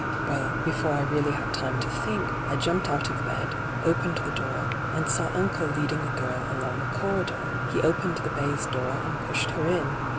Well, before I really had time to think, I jumped out of bed, opened the door, and saw unole leading a girl along the corridor ; he opened the baize door and pushed her in.